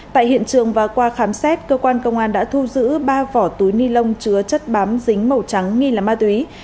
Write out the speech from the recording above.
tại hiện trường và qua khám xét cơ quan công an đã thu giữ ba vỏ túi ni lông chứa chất bám dính màu trắng nghi là ma túy